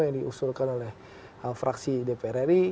yang diusulkan oleh fraksi dpr ri